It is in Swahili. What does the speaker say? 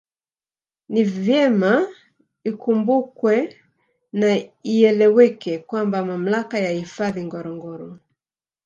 Ni vyema ikumbukwe na ieleweke kwamba Mamlaka ya hifadhi Ngorongoro